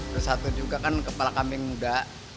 terus satu juga kan kepala kambing muda